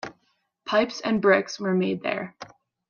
Pipes and brickes were made there.